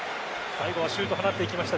最後はシュート放っていきました